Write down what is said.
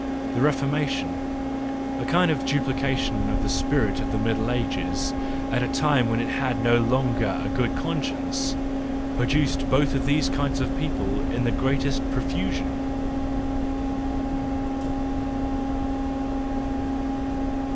The Reformation, a kind of duplication of the spirit of the Middle Ages at a time when it had no longer a good conscience, produced both of these kinds of people in the greatest profusion.